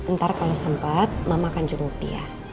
ntar kalau sempat mama akan jemput dia